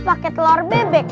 pake telur bebek